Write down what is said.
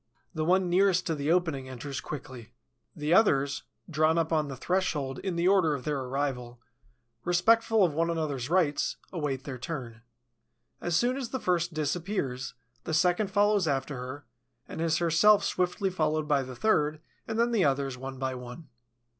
The one nearest to the opening enters quickly. The others, drawn up on the threshold in the order of their arrival, respectful of one another's rights, await their turn. As soon as the first disappears, the second follows after her, and is herself swiftly followed by the third and then the others, one by one.